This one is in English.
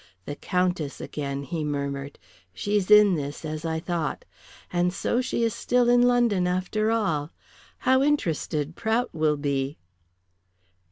"The Countess again," he murmured. "She's in this, as I thought. And so she is still in London, after all. How interested Prout will be!"